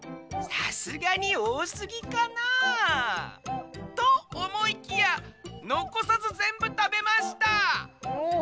さすがにおおすぎかなとおもいきやのこさずぜんぶたべました。